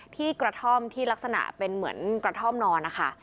ที่กระท่อมที่ลักษณะเป็นเหมือนกระท่อมนอนนะคะ